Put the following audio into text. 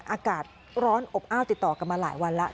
อากาศร้อนอบอ้าวติดต่อกันมาหลายวันแล้ว